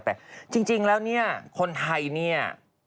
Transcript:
แต่จริงแล้วเนี่ยคนไทยเนี่ย